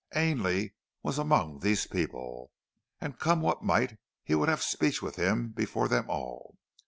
Ainley was among these people, and come what might he would have speech with him before them all.